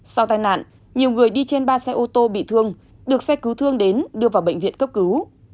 sau tai nạn nhiều người đi trên ba xe ô tô bị thương được xe cứu thương đến đưa vào bệnh viện cấp cứu